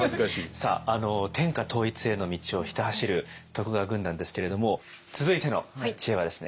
さあ天下統一への道をひた走る徳川軍団ですけれども続いての知恵はですね